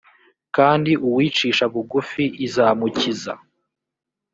kandi uwicisha bugufi izamukiza